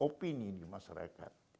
opini di masyarakat